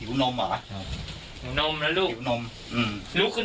ทำไงต่อเอารุบโกะุก่อน